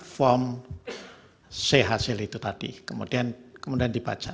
form chcl itu tadi kemudian dibaca